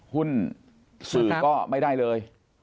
หุ้นสื่อก็ไม่ได้เลย